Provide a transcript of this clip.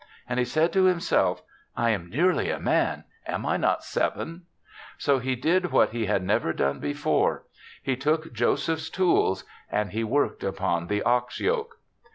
And he said to himself, " I am nearly a man. Am I not seven ?" So he did what he had never done before — he took Joseph's tools and he worked upon the ox yoke.